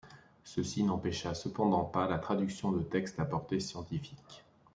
Ceci n'empêcha cependant pas la traduction de textes à portée scientifique.